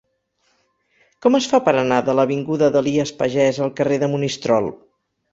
Com es fa per anar de l'avinguda d'Elies Pagès al carrer de Monistrol?